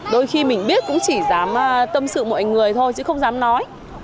đôi khi mình biết cũng chỉ dám tâm sự mọi người thôi chứ không dám nói